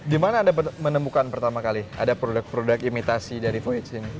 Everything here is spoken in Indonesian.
di mana anda menemukan pertama kali ada produk produk imitasi dari voyage ini